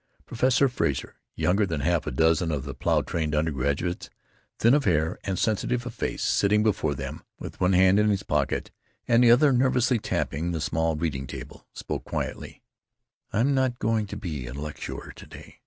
Professor Frazer, younger than half a dozen of the plow trained undergraduates, thin of hair and sensitive of face, sitting before them, with one hand in his pocket and the other nervously tapping the small reading table, spoke quietly: "I'm not going to be a lecturer to day.